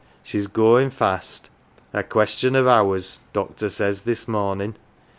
She's goin 1 fast * a question of hours," 1 doctor says this mornin 1